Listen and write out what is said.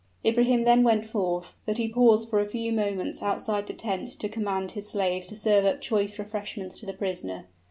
Ibrahim then went forth; but he paused for a few moments outside the tent to command his slaves to serve up choice refreshments to the prisoner.